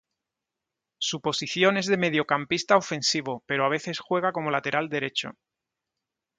Su posición es de mediocampista ofensivo, pero a veces juega como lateral derecho.